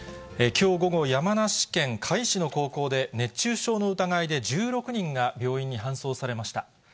きょう午後、山梨県甲斐市の高校で熱中症の疑いで１６人が病院に搬送されました。